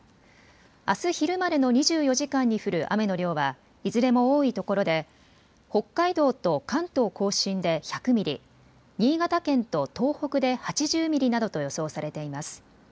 あす昼までの２４時間に降る雨の量はいずれも多いところで北海道と関東甲信で１００ミリ、新潟県と東北で８０ミリなどと予想されています。